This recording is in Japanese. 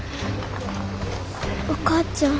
お母ちゃん。